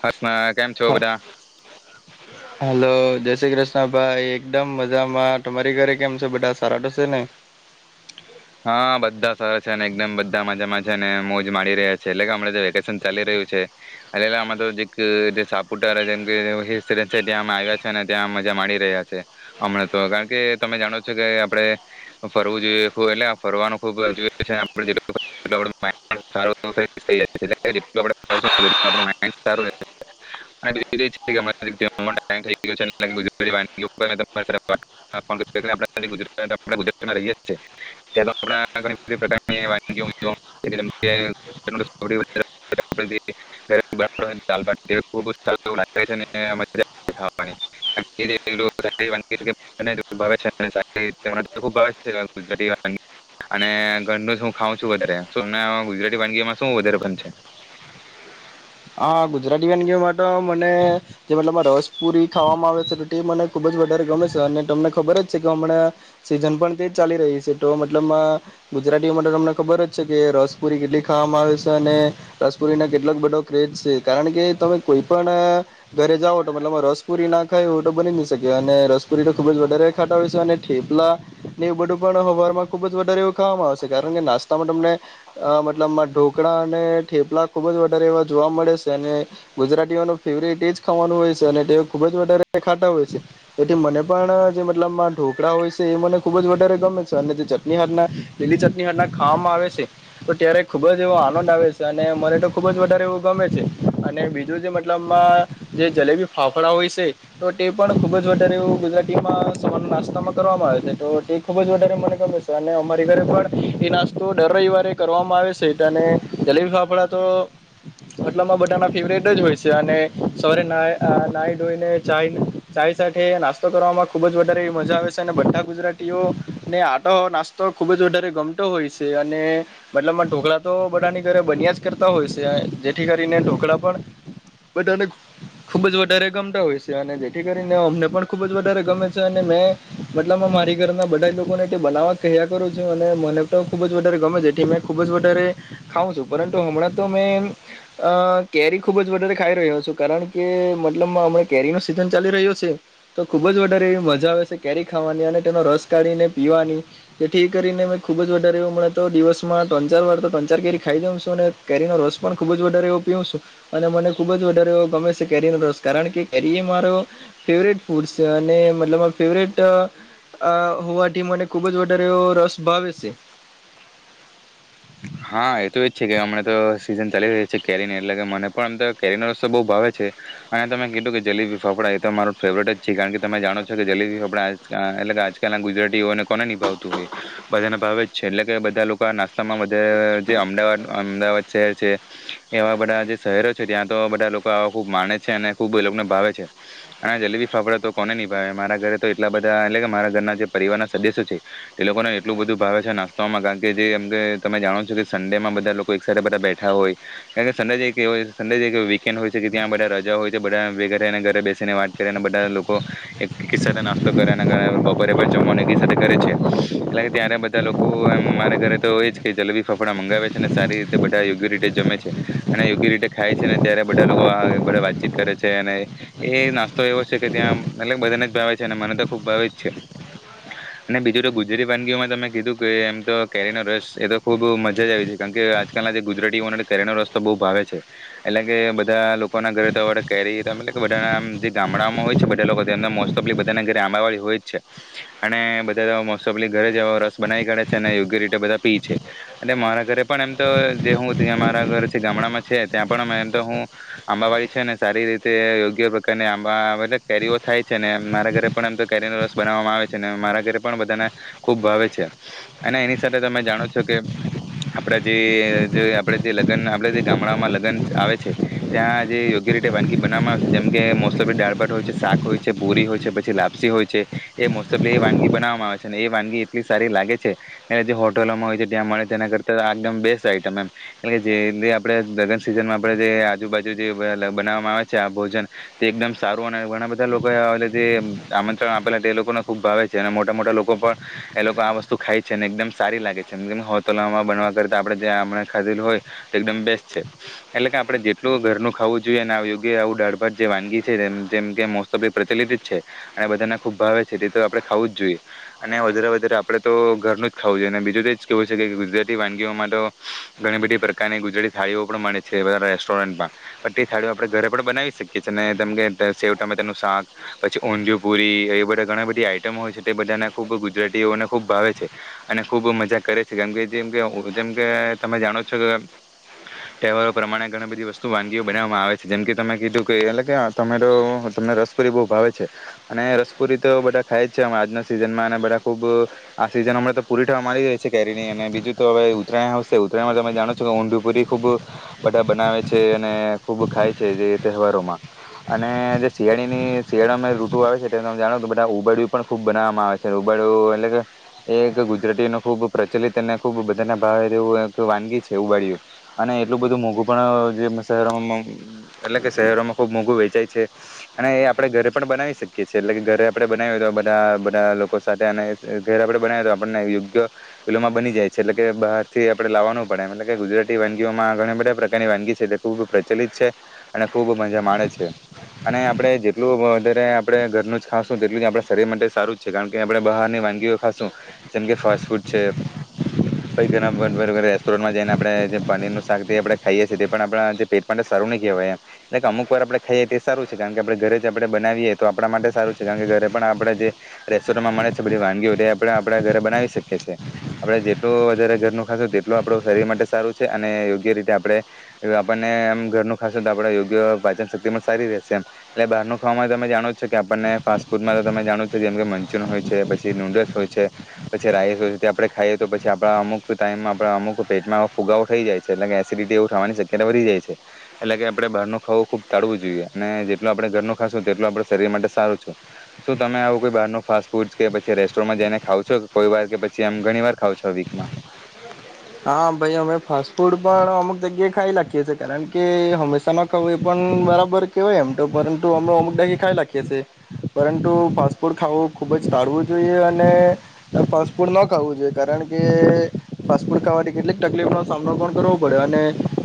હમાં કેમ છો બધા? હા હલો જય શ્રી કૃષ્ણ ભાઈ એકદમ મજામાં તમારી ઘરે કેમ છે બધા સારા તો છે ને. હા બધા સરા છે અને એકદમ બધા મજામાં છેને મોજ માડી રહ્યા છે એટલે કે હમ જે વેકેશન ચાલી રહ્યું છે એટલે અ તો જે જે સાપુતારમ કે ત્યાં આવ્યા છે ત્યાં મજા માડી રહ્યા છે હમણાં તો કારણ કે તમે જાણો છો કે આપણે ફરવું જોઈએ. એટલે ફરવાનું ખબુંરાત ર ત ઘણી બધી પ્રકારની વાગી ગરા અને ઘરનું હું ખાઉં છું વધમ ગુજરાતી વાનગીમાં શું વધારે પણ છે. હા ગુજરાતી બન ગ તો મને જે મતલબ રસપુરી ખાવામાં આવે છે ટે મને ખુબ જ વધારે ગમે છે અને તમને ખબર જ છે કે હમણાં સીઝન પણ તેજ ચાલી રહી છે તો મતલબ ગુજરાતીઓ માટે તમને ખબર છે કે રસપુરી કેટલી ખાવામાં આવે છે અને રસપુરી ના કેટલાક બધો કેજ છે કારણ કે તમે કોઈ પણ ઘરે જાઓ તો મતલબમાં રસપુરી ના ખાય હો તો બની ન શકે અને રસપુરી તો ખૂબ જ વધારે ખાતા હોય છે અને ઠેપલા એ બધું પણ હવારમાં ખૂબ જ વધારે એવું ખાવામાં આવેશે કારણ કે નાસ્તામાં તમને અહ મતલબમાં ઢોકળા અને ઠેપલા ખૂબ જ વધારે વ જોવા મળે છે અને ગુજરાતીઓનો ફેવરેટ એ જ ખાવાનું હોય છે અને તે ખુબ જ વધારે ખાતા હોય છે તેથી મને પણ જે મતલબમાં ઢોકળા હોય છે એ મને ખુબ જ વધારે ગમે છે અને જે ચટણી હાથના લીલી ચટણી હના ખાવામાં આવે છે તો ત્યારે ખુબ જ એવો આનંદ આવે છે અને મને તો ખુબ જ વધારે એવ ગમે છે અને બીજો જે મતલબમાં અહ જે જલેબી ફાફડા હોય છે તો તે પણ ખુબ જ વધારે એવું ગુજરાતીમાં સવાર નાસ્તામાં કરવામાં આવે છે તો તે ખુબ જ વધારે મને ગમે છે અને અમારી ઘરે પણ એ નાસ્તો દર રવિવારે કરવામાં આવે છે અને જલેબી ફાફડા તો મતલબમાં બટાણા ફેવરેટ જ હોય છે અને સવારે અહ ના ના ધોઈને ચાય ચાય સાથે નાસ્તો કરવામાં ખુબ જ વધારે મજા આવે છે અને બધા ગુજરાતીઓને ને આટ નાસ્તો ખુબ જ વધારે ગમટો હોય છે અને મતલબમાં ઢોકળા તો બટાની ઘરે બન્યા જ કરતા હોય છે જે થી કરીને પણ ખૂબ જ વધારે ગમતા હોય છે અને જેથી કરીને અમને પણ ખૂબ જ વધારે ગમે છે અને મે મતલબ મારી ઘરના બધા લોકોને બનાવવા કહ્યા કરું છું અને મને તો ખૂબ જ વધારે ગમે જેથી મે ખૂબ જ વધારે ખઉં છું પરંતુ હમણાં તો મે અહ કેરી ખૂબ જ વધારે ખાઈ રહ્યો છું કારણ કે મતલબ હમણા કેરી ન સીઝન ચાલી રહ્યો છે તો ખુબ જ વધારે એવી મજા આવે છે કેરી ખાવાની અને તેનો રસ કાઢીને પીવાની જેથી એ કરીને મેં ખૂબ જ વધારે એવું મળે તો દિવસમાં ત્રણ ચાર વાર તો ત્રણ ચાર કેરી ખાઈ જાઉ છું અને કેરીનો રસ પણ ખૂબ જ વધારે એવું પીઉ છું અને મને ખુબ જ વધારે એવો ગમે છે કેરી નો રસ કારણ કે કેરી એ મારો ફેવરેટ ફૂડ છે અને મતલબ ફેવટ અહ હોવાથી મને ખુબ જ વધારે એવો રસ ભાવે છે. હા, એ તો એ જ છે કે અમને તો સીઝન ચાલી રહી છે કેરીને એટલે કે મને પણ આમ તો કેરીનો રસ્તો બહુ ભાવે છે અને તમે કીધું કે જલીબી ફાફડા એ તો મારો ફેવરેટ જ છે કારણ કે તમે જાણો છો કે જલેબી ફાફડા આજકાલ એટલે કે આજકાલ ના ગુજરાતીઓને કોને નિભાવતું હોય બધાને ભાવે જ છે એટલે કે બધા લોકો આ નાસ્તામાં જે અહ જે અમદાવાદ અમદાવાદ શહેર છે, એવા બધાં જે શહેરો છે, ત્યાં તો બધા લોકો ખૂબ માને છે અને ખૂબ લોકોને ભાવે છે. અને જલેબી ફાફડા તો કોને નહી ભાવે, મારા ઘરે તો એટલા બધાં એટલે કે મારા ઘરના જે પરિવારના સદસ્યો છે તે લોકોને એટલું બધું ભાવે છે, નાસ્તામાં કારણ કે જેમ કે તમે જાણો છો કે સંડે માં બધા લોકો એક સાથે બધા બેઠા હોય, કારણ કે સંડે જેયડે વીકેન્ડ હોય છે કે ત્યાં બધા રજા હોય છે. બધા વેગાને ઘરે બેસીને વાત કરીને બધા લોકો એક સાથે નાસ્તો કરે બપોરે પણ જમવા એક સાથે કરે છે એટલે કે ત્યારે બધા લોકો એમ મારે ઘરે તો એ જ કે જલેબી ફફડા મંગાવે છે, અને સારી રીતે બધા યોગ્ય રીતે જમે છે, અને યોગ્ય રીતે ખાય છે, અનેને ત્યારે બધા લોકો આ બધા વાતચીત કરે છે, અને એ નાસ્તો એવો છે કે ત્યાં મતલબ બધાને જ ભાવે છે, અને મને તો ખૂબ ભાવે જ છે. અને બીજું તો ગુજરાતી વાનગીઓમાં તમે કીધું કે એમ તો કેરીનો રસ એ તો ખૂબ મજા જ આવી છે. કારણ કે આજકાલના જે ગુજરાતીઓનો કેરીનો રસ તો બહુ ભાવે છે. એટલે કે બધા લોકોના ઘરે તો કેરી એ કે બધાના જે ગામડામાં હોય છે, બધા લોકોના મોસ્ટ ઓફલી બધાના ઘરે આંબાવાળી હોય જ છે અને બધા મોસ્ટ ઓફલી ઘરે જવા રસ બનાવી કાઢે છે અને યોગ્ય રીતે બધા પીય છે. અને મારા ઘરે પણ એમ તો જે હું ત્યાં મારા ઘર છે, ગામડામાં છે ત્યાં પણ‌ તો હું આંબા વાડી છે. ને સારી રીતે યોગ્ય પ્રકારની આંબા કેરીઓ થાય છે ને મારા ઘરે પણ‌ એમ‌ તો કેરીનો રસ બનાવવામાં આવે છે ને મારા ઘરે પણ બધાને ખુબ ભાવે છે. અને એની સાથે તમે જાણો છો કે આપડા જે આપણે જે લગ્ન આપડ જે ગામડાઓમાં લગ્ન આવે છે. ત્યાં જે યોગ્ય રીતે વાનગી બનાવામાં આવે છે જેમકે મોસ્ટતફલી દાળભાટ હોય છે, શાક હોય છે, પૂરી હોય છે, પછી લાપસી હોય છે, એ મોસ્સ્ટફલી એ વાનગી બનાવામાં આવે છે. એ વાનગી એટલી સારી લાગે છે, અને જે હોટલોમાં હોય છે ત્યાં મળે તેના કરતા આ એકદમ બેસ્ટ આઈટમ એમ, જે આપે લગન સિઝનમાં આપણે જે આજુબાજુ જે બનાવામાં આવે છે. આ ભોજન તે એકદમ સારું અને ઘણા બધા લોકો જે આમંત્રણ આપેલા એ લોકોને ખૂબ ભાવે છે, અને મોટા મોટા લોકો પણ એ લોકો આ વસ્તુ ખાય છે અને એકદમ સારી લાગે છે. જેમ હોટલોમાં બનવા કરતા આપણે જે‌ ખાધેલું હોય તે એકદમ બેસ્ટ છે. એટલે કે આપણે જેટલું ઘરનું ખાવું જોઈએ, અને યોગ્ય આવું દાઢભાટ જે વાનગી છે, જેમ કે મોસ્ટ ઓફલી પ્રચલિત જ છે, અને બધાને ખુબ ભાવે છે. તે તો આપણે ખાવું જ જોઈએ અને વધારે વધારે આપણે તો ઘરનું જ ખાવું જોઈએ, અને બીજું તે કેવું છે ગુજરાતી વાનગીઓમાં તો ઘણી બધી પ્રકારની ગુજરાતી થાળીઓ પણ મળે છે બધા રેસ્ટોરન્ટમાં. પણ તે થાળીઓ આપણે ઘરે પણ બનાવી શકીએ છે. અનેમ કે સેવ ટામેટાનું તેનું શાક પછી ઊંધિયું પુરી એ બધા ઘણી બધી આઈટમો હોય છે. તે બધાંને ખૂબ ગુજરાતીઓને ખૂબ ભાવે છે. અને ખૂબ મજા કરે છે કેમ કે જેમ કે જેમકે તમે જાણો છો કે તહેવારો પ્રમાણે ઘણી બધી વસ્તુ વાનગીઓ બનાવવામાં આવે છે, જેમ કે તમે કીધું કે એટલે કેરો તમને રસપુરી બહુ ભાવે છે. અને રસપુરી તો બધા ખાય જ છે. આજના સિઝનમાં અને બધા ખુબ આ સીઝન હમણાં તો પૂરી થવા મા રહી છે કેરી અને બીજું તો હવે ઉત્તરાયણ હશે ઉત્તરાયણમાં તમે જાણો છો કે, ઊંધયુ પુરી ખુબ બધા બનાવે છે, અને ખુબ ખાય છે, જે તહેવારોમાં અને જે શિયાળીની શિયાળામાં ઋતુ આવે છે તમે જાણો બધા ઉબાડયું પણ ખૂબ બનાવામાં આવે છે ઊંબાડિયું એટલે કે એ એક ગુજરાતી ન ખૂબ પ્રચલિત એને ખૂબ બધાને ભાવે તેવું એક વાનગી છે ઊંબાડિયું અને એટલું બધું મોંઘું પણ જે શહેરોમાં એટલે કે શહેરોમાં ખૂબ મોંઘું વેચાય છે અને એ આપણે ઘરે પણ બનાવી શકીએ છીએ એટલે કે ઘરે આપણે બનાવીએ તો બધા બધા લોકો સાથે અને ઘરે આપણે બનાવીએ તો આપણને યોગ્ય પિલોમાં બની જાય છે એટલે કે બહાર થી આપડે લાવવાનું પડે, એટલે કે ગુજરાતી વાનગીઓમાં ઘ બધા પ્રકારની વાનગી છે તે ખૂબ પ્રચલિત છે, અને ખૂબ મજા માણે છે. અને આપણે જેટલું વધારે આપણે ઘરનું જ ખાશું તેટલું જ આપણા શરીર માટે સારું જ છે. કારણ કે આપણે બહારની વાનગીઓ ખાશું, જેમ કે ફાસ્ટ ફૂડ છે પછ ઘણા રેસ્ટોરન્ટમાં જઈને આપણે જે પનીરનું શાક આપણે ખાઈએ છીએ તે પણ આપણા જે પેટ માટે સારું ન કહેવાય, એટલે કે અમુક વાર આપણે ખાઈએ તે સારું છે, કારણ કે આપણે ઘરે જે આપણે બનાવીએ તો આપણા માટે સારું છે કારણ કે ઘરે પણ આપણે જે રેસ્ટોરન્ટમાં મળે છે બધી વાનગીઓ આપણે આપણે ઘરે બનાવી શકીએ છીએ. આપણે જેટલું વધારે ઘરનું ખાશું તેટલું આપડું શરીર માટે સારું છે. અને યોગ્ય રીતે આપણે આપણનેમ ઘરનું ખાશું તો આપણન યોગ્ય પાચન શક્તિમાં સારી રહેશે એમ, એટલે બહારનું ખાવામાં તમે જાણો જ છે કે, આપણને ફાસ્ટ ફૂડમાં તો તમે જાણો છો જેમ કે મંચુરિયન હોય છે, પછી નૂડલ્સ હોય છે, પછી રાઈસ હોય આપણે ખાઈએ તો પછી આપણા અમુક ટાઈમમાં આપણા અમુક પેટમાં ફુગાવો થઈ જાય છે. ‌ એટલે કે એસિડિટી એવું ખવાની શક્યતા વધી જાય છે. એટલે કે આપણે બહારનું ખાવું ખુબ તાળવું જોઈએ અને જેટલું આપણે ઘરનું‌ ખાશું તેટલું આપણા શરીર માટે સારું છે. શું તમે આવું કોઈ બહાર ન ફાસ્ટ ફૂડ કે પછી રેસ્ટોરન્ટમાં જઈને ખાવ છો કે કોઈ વાર કે પછી જેમ ઘણી વાર ખાવ છો વીકમાં? હા ભાઈ અમે ફાસ્ટ ફૂડ પણ અમુક જગ્યાએ ખાઈ લખીએ છીએ કારણ કે હંમેશા ન ખાવું એ પણ બરાબર કહેવાય એમ તો પરંતુ હમણાં અમુક ડાડે‌ ખાઈ લાખીએ છે. પરંતુ ફાસ્ટ ફૂડ ખું ખુબ જ ટાળવું જોઈએ, અને ફાસ્ટ ફૂડ ન ખાવું જોઈએ કારણ કે ફાસ્ટ ફૂડ ખાવાથી કેટલીક તકલીફ નો સામનો પણ કરવો પડે, અને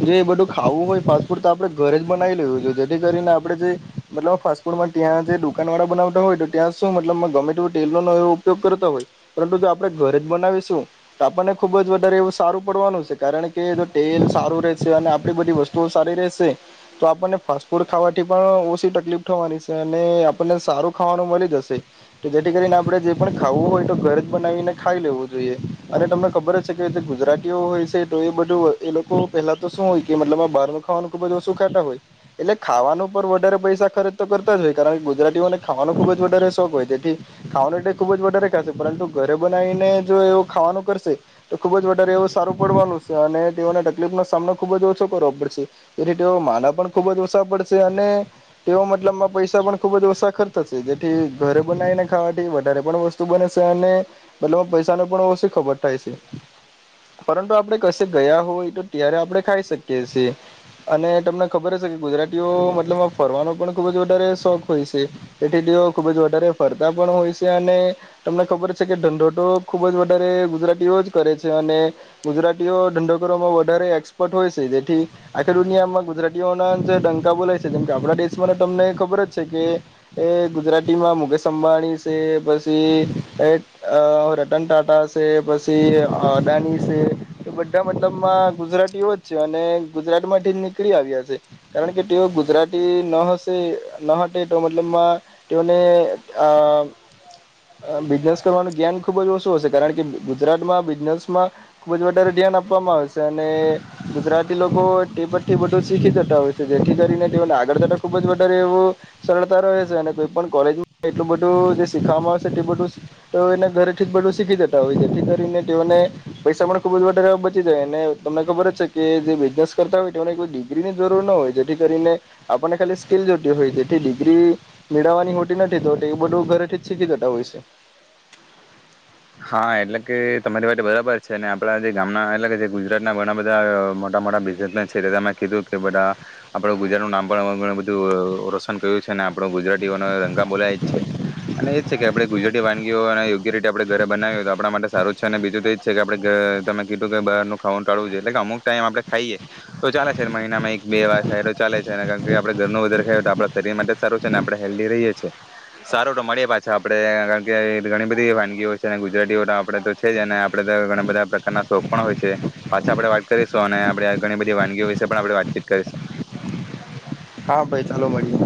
જો એ બધું ખાવું હોય ફાસ્ટ ફૂડ તો આપણે ઘરે જ બનાવી લેવું જોઈએ, જેથી કરીને આપણે જે મતલબ ફાસ્ટ ફૂડમાં ત્યાં જે દુકાન વાળા બનાવતા હોય તો ત્યાં શું મતલબ ગમે તે તેલનો એ ઉપયોગ કરતાં હોય, પરંતુ જો આપણે ઘરે જ બનાવીશું તો આપણને ખુબ જ એવું સારું પડવાનું છે. કારણ કે જો તેલ સારું રહેશે અને આપણી બધી વસ્તુઓ સારી રહેશે, તો આપણને ફાસ્ટ ફૂડ ખાવાથી પણ ઓછી તકલીફ થવાની છે. અને આપણને સારું ખાવાનું મળી જશે, ‌ તો જેથી કરીને આપણે જે પણ ખાવું હોય તો ઘર જ બનાવીને ખાઈ લેવું જોઈએ, અને તમને ખબર જ કે ગુજરાતીઓ હોય છે, તો એ બધું એ લોકો પહેલા તો શું હોય કે મતલબ આ બાર ન ખાવાનું ખુબ જ ખાતા હોય, એટલે ખાવાનું પર વધારે પૈસા ખર્ચ તો કરતા જ હોય, કારણ કે ગુજરાતીઓને ખાવાનો ખુબ જ વધારે શોખ હોય તેથી, ખાવાનું એટલે ખુબ જ વધારે ખાશે પરંતુ ઘરે બનાવીને જો એવ ખાવાનું કરશે તો ખુબ જ વધારે એવ સારું પડવાનું છે. અને તેઓને તકલીફનો સામનો ખુબ જ ઓછો કરવો પડશે, જેથી તેઓ માંદા પણ ખુબ જ ઓછા પડશે, અને તેઓ મતલબમાં પૈસા પણ ખુબ જ ઓછા ખર્ચ થશે જેથી, ઘરે બનાવીને ખાવાથી વધારે પણ વસ્તુ બને છે, અને મતલબ પૈસા ન પણ ઓછી ખબર થાય છે. પરંતુ આપણે કશે ગયા હોય તો ત્યારે આપણે ખાઈ શકીએ છીએ, અને તમને ખબર હશે કે ગુજરાતીઓ મતલબ ફરવાનો પણ ખુબ જ વધારે શોખ હોય છે, તેથી તેઓ ખૂબ જ વધારે ફરતા પણ હોય છે, અને તમને ખબર છે, કે ધંધો તો ખુબ જ વધારે ગુજરાતીઓ જ કરે છે. અને ગુજરાતીઓ ધંધો કરવામાં વધારે એક્સપર્ટ હોય છે. જેથી આખી દુનિયામાં ગુજરાતીઓના જે ડંકા બોલાય છે, જેમકે આપણા દેશમાં તમને ખબર જ છે કે, એ ગુજરાતીમાં મુકેશ અંબાણી છે, પછી રતન ટાટા છે પછી અદાણી છે, તો બધાં મતલબમાં ગુજરાતીઓ જ છે. અને ગુજરાતમાંથી જ નીકળી આવ્યા છે. ‌ કારણ કે તેઓ ગુજરાતી ન હશે ન હટે તો મતલબમાં તેઓને આ બિઝનેસ કરવાનું જ્ઞાન ખુબ જ ઓછું હશે, કારણ કે ગુજરાતમાં બિઝનેસમાં ખૂબ જ વધારે ધ્યાન આપવામાં આવે છે, અને ગુજરાતી લોકો થી બધું શીખી જતા હોય છે, જેથી એથી કરીને તેને આગળ જતાં ખૂબ જ વધારે એવું સરળતા રહે છે. અને કોઈ પણણ કોલેજમાં એટલું બધું જે શીખવામાં આવશે, એટલું બધું તો એને ઘરેથી જ‌ બધું શીખી જતા હોય છે, જેથી કરીને તેઓને પૈસા પણ ખુબ જ વધારે બચી જાય, અને તમને ખબર જ છે કે, જે બિઝનેસ કરતા હોય તેને ડિગ્રી ની જરૂર ન હોય જેથી કરીને આપણને ખાલી સ્કીલ જોતી હોય, જેથી ડિગ્રી મેળવવાની હોતી નથી, તો એ બધું ઘરેથી જ શીખી જતા હોય છે. હાં એટલે કે તમારી માટે બરાબર છે. અને આપણા જે ગામના એટલે કે જે ગુજરાતના ઘણા બધા મોટા મોટા બિઝનેસમેન છે. તમે કીધું કે બધા આપડ ગુજરાતનું‌નામ પણ ઘણું બધું રોશન કર્યું છે. ને આપણો ગુજરાતીઓનો ડંકો બોલાય જ છે. અને એ જ છે કે આપણે ગુજરાતી વાનગીઓને યોગ્ય રીતે આપણે ઘરે બનાવીએ તો આપણા માટે સારું જ છે. અને બીજું તો એ જ છે, કે આપણે તમે કીધું કે બારનું ખાવાનું ટાળવું જોઈએ, એટલે કે અમુક ટાઈમ આપણે ખાઈએ તો ચાલે છે. મહિનામાં એક બે વાર ખાય તો ચાલે છે, ને કારણ કે આપણે ઘરનું વધારે ખાઈએ તો આપણા શરીર માટે જ સારું છે. ને આપણે હેલ્ધી રહીએ છીએ, સારું તો મળીએ પાછા આપણે કારણ કે ઘણી બધી વા ‌વાનગીઓ છે, ગુજરાતીઓ આપણે તો છે જ ને આપડે ઘણાં બધા પ્રકારના શોખ પણ હોય છે, પાછા આપડે વાત કરીશું, અને આપે ઘણી બધી વાનગીઓ વિશે પણ આપણે વાતચીત કરીશું. હા ભાઈ ચાલો મળીએ.